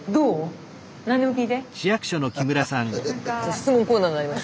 質問コーナーになりました。